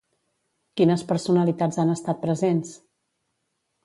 Quines personalitats han estat presents?